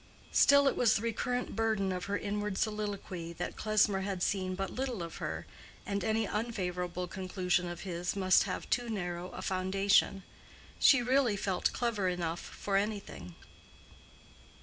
Still it was the recurrent burden of her inward soliloquy that Klesmer had seen but little of her, and any unfavorable conclusion of his must have too narrow a foundation. She really felt clever enough for anything.